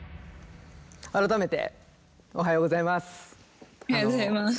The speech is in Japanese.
改めておはようございます。